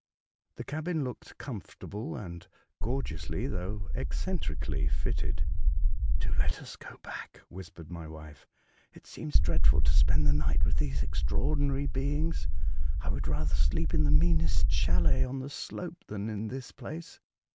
The cabin looked comfortable, and gorgeously, though eccentrically, fitted. *' Do let us go back," whispered my wife, "it seems dreadful to spend the i sight with these extraordinary beings. I would rather sleep in the meanest chalet on the slope than in this place."